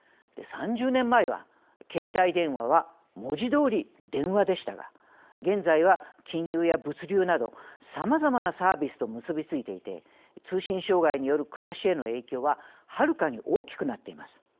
３０年前は携帯電話は文字どおり電話でしたが現在は金融や物流などさまざまなサービスと結び付いていて通信障害による暮らしへの影響ははるかに大きくなっています。